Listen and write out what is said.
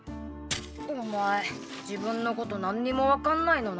お前自分のこと何にも分かんないのな。